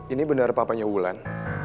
ini benar papanya bulan